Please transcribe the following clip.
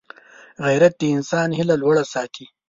غیرت د انسان هیله لوړه ساتي